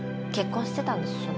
結婚してたんです